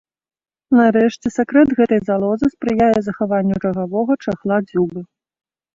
Нарэшце, сакрэт гэтай залозы спрыяе захаванню рагавога чахла дзюбы.